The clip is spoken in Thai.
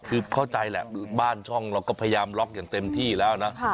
คือเข้าใจแหละบ้านช่องเราก็พยายามล็อกอย่างเต็มที่แล้วนะ